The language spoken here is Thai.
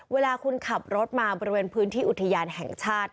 เวลาคุณขับรถมาบริเวณพื้นที่อุทยานแห่งชาติ